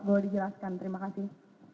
gue mau dijelaskan terima kasih